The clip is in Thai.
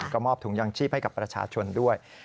ก็มอบถุงยางชีพให้กับประชาชนด้วย